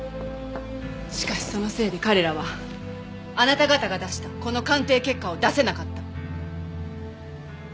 しかしそのせいで彼らはあなた方が出したこの鑑定結果を出せなかった。